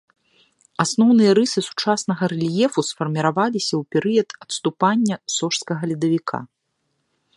Асноўныя рысы сучаснага рэльефу сфарміраваліся ў перыяд адступання сожскага ледавіка.